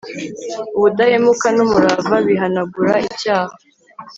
ubudahemuka n'umurava bihanagura icyaha